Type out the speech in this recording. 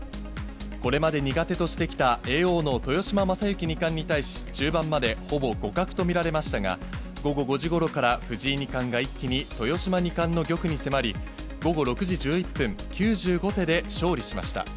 これまで苦手としてきた叡王の豊島将之二冠に対し、中盤までほぼ互角と見られましたが、午後５時ごろから藤井二冠が一気に豊島二冠の玉に迫り、午後６時１１分、９５手で勝利しました。